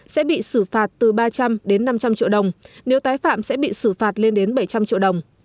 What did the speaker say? sẽ bị xử phạt từ ba trăm linh đến năm trăm linh triệu đồng nếu tái phạm sẽ bị xử phạt lên đến bảy trăm linh triệu đồng